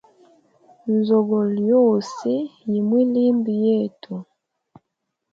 Nzogolo yose yi mwilimbo yetu.